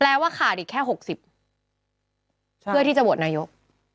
ว่าขาดอีกแค่๖๐เพื่อที่จะโหวตนายก